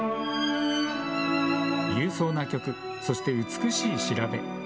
勇壮な曲、そして美しい調べ。